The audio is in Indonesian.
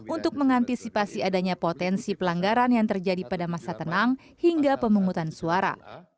untuk mengantisipasi adanya potensi pelanggaran yang terjadi pada masa tenang hingga pemungutan suara